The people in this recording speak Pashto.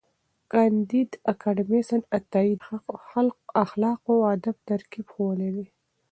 کانديد اکاډميسن عطایي د اخلاقو او ادب ترکیب ښوولی دی.